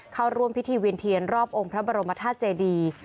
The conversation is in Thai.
เข้าร่วมพิธีเวียนเทียนรอบองค์พระบรมธาตุเจดี